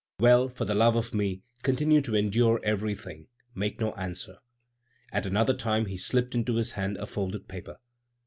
"Well! for the love of me, continue to endure everything; make no answer." At another time he slipped into his hand a folded paper.